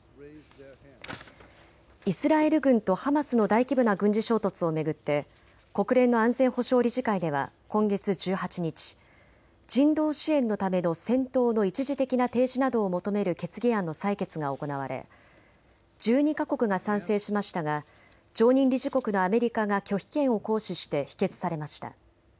イスラエル軍とハマスの大規模な軍事衝突を巡って国連の安全保障理事会では今月１８日、人道支援のための戦闘の一時的な停止などを求める決議案の採決が行われ１２か国が賛成しましたが常任理事国のアメリカが拒否権を行使して否決されました。